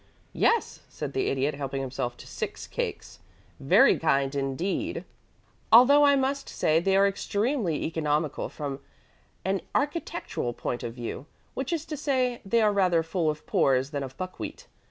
"Yes," said the Idiot, helping himself to six cakes. "Very kind indeed, although I must say they are extremely economical from an architectural point of view which is to say, they are rather fuller of pores than of buckwheat.